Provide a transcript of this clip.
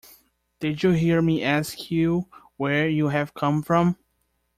Did you hear me ask you where you have come from?